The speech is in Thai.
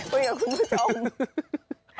คุยกับคุณผู้ชม